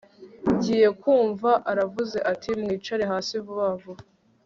ngiye kumva aravuze ati mwicare hasi vuba vuba